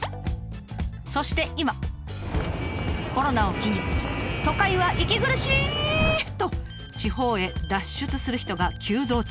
そして今コロナを機に「都会は息苦しぃ」と地方へ脱出する人が急増中。